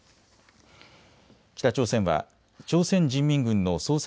北朝鮮は朝鮮人民軍の創設